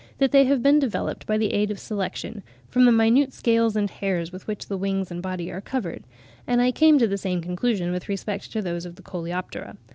that they have been developed by the aid of selection, from the minute scales and hairs with which the wings and body are covered, and I came to the same conclusion with respect to those of the Coleoptera.